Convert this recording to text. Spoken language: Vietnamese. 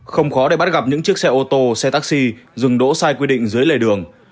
không khó để bắt gặp những chiếc xe ô tô xe taxi dừng đỗ sai quy định dưới lề đường